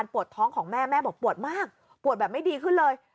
ปวดของแม่แม่บอกว่าปวดมากตัวแบบไม่ดีขึ้นเลย